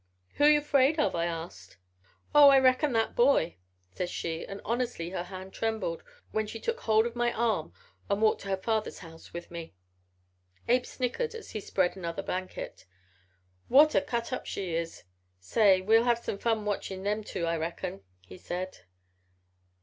'Who you 'fraid of?' I asked. 'Oh, I reckon that boy,' says she. And honestly her hand trembled when she took hold of my arm and walked to her father's house with me." Abe snickered as he spread another blanket. "What a cut up she is! Say, we'll have some fun watching them two I reckon," he said.